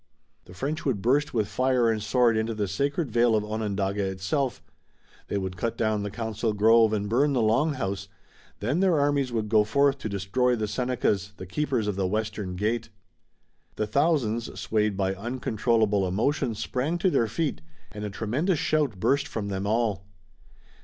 The French would burst with fire and sword into the sacred vale of Onondaga itself, they would cut down the council grove and burn the Long House, then their armies would go forth to destroy the Senecas, the Keepers of the Western Gate. The thousands, swayed by uncontrollable emotion, sprang to their feet and a tremendous shout burst from them all.